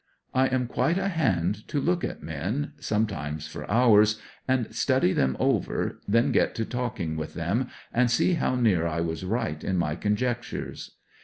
I am quite a hand to look at men, sometimes for hours, and study them over, then get to talking with them and see how near I was right in my conjectures.